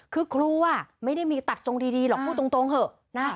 คือครูไม่ได้มีตัดทรงดีหรอกพูดตรงเถอะนะ